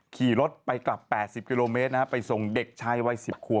ขี่รถไปกลับ๘๐กมไปส่งเด็กชายวัย๑๐หัว